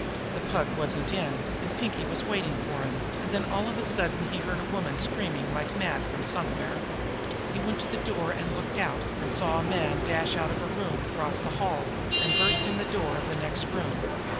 The Pug wasn't in, and Pinkie was waiting for him, and then all of a sudden he heard a woman screaming like mad from somewhere. He went to the door and looked out, and saw a man dash out of a room across the hall, and burst in the door of the next room.